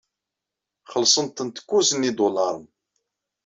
Xellṣent-t kuẓ n yidulaṛen.